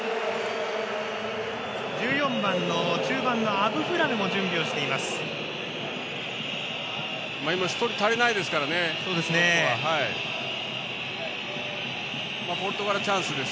１４番の中盤のアブフラルも準備をしています。